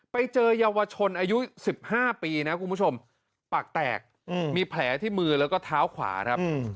ไปเจอเยาวชนอายุ๑๕ปีนะคุณผู้ชมปากแตกมีแผลที่มือแล้วก็เท้าขวาครับ